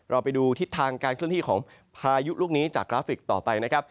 เราไปดูทิศทางการเคลื่อนที่ของพายุลูกนี้จากกราฟิกต่อไปนะครับ